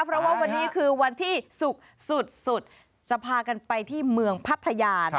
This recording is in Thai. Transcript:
เพราะว่าวันนี้คือวันที่ศุกร์สุดจะพากันไปที่เมืองพัทยา